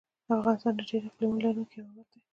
افغانستان د ډېرو اقلیمونو لرونکی یو هېواد دی.